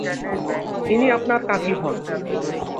ইনি আপনার কাকি হন।